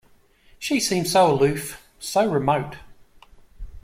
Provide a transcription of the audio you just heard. She seems so aloof, so remote.